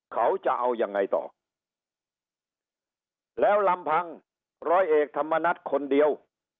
เขาจะเอายังไงต่อแล้วลำพังร้อยเอกธรรมนัฐคนเดียว